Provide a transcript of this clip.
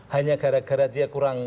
hanya gara gara dia kurang